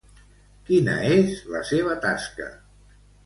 Quina és la seva tasca?